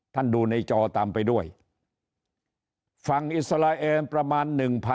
ดูในจอตามไปด้วยฝั่งอิสราเอลประมาณ๑๐๐๐